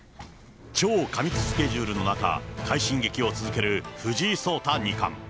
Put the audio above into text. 超過密スケジュールの中、快進撃を続ける藤井聡太二冠。